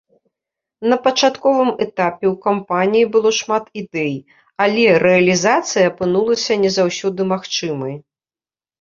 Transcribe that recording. На пачатковым этапе ў кампаніі было шмат ідэй, але рэалізацыя апынулася не заўсёды магчымай.